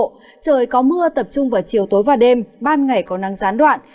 trời có mưa tập trung vào chiều tối và đêm ban ngày có năng gián đoạn